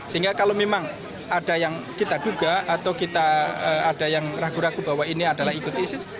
sehingga kalau memang ada yang kita duga atau kita ada yang ragu ragu bahwa ini adalah ikut isis